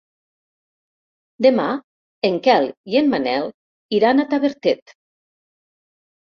Demà en Quel i en Manel iran a Tavertet.